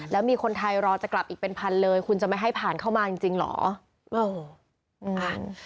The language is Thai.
แล้วมีคนไทยรอจะกลับอีกเป็นพันเลยคุณจะไม่ให้ผ่านเข้ามาจริงจริงเหรอ